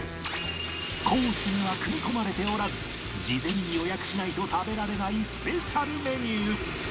コースには組み込まれておらず事前に予約しないと食べられないスペシャルメニュー